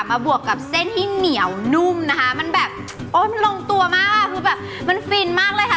บวกกับเส้นที่เหนียวนุ่มนะคะมันแบบโอ้ยมันลงตัวมากคือแบบมันฟินมากเลยค่ะ